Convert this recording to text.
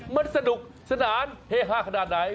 มันสนุกสนานเฮฮาขนาดไหน